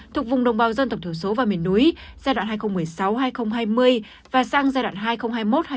thuộc vùng đồng bào dân tộc thiểu số và miền núi giai đoạn hai nghìn một mươi sáu hai nghìn hai mươi và sang giai đoạn hai nghìn hai mươi một hai nghìn hai mươi